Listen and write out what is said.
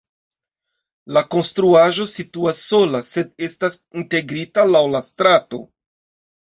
La konstruaĵo situas sola, sed estas integrita laŭ la strato.